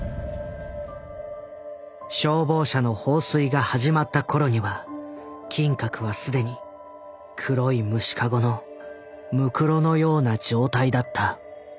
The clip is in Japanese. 消防車の放水が始まった頃には金閣は既に黒い虫かごのむくろのような状態だった。